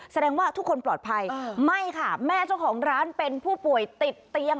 แสดงว่าทุกคนปลอดภัยไม่ค่ะแม่เจ้าของร้านเป็นผู้ป่วยติดเตียง